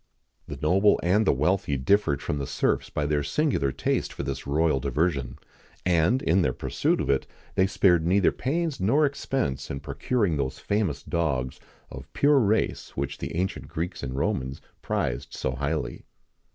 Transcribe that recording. [XIX 40] The noble and the wealthy differed from the serfs by their singular taste for this royal diversion; and, in their pursuit of it, they spared neither pains nor expense in procuring those famous dogs of pure race which the ancient Greeks and Romans prized so highly.